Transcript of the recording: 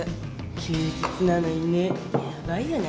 休日なのにねヤバいよね